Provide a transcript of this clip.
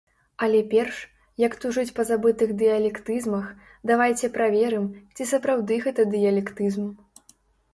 Але перш, як тужыць па забытых дыялектызмах, давайце праверым, ці сапраўды гэта дыялектызм.